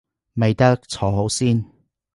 未得，坐好先